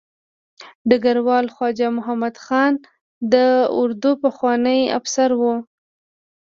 ډګروال خواجه محمد خان د اردو پخوانی افسر و.